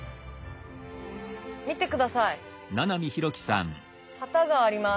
見て下さい旗があります。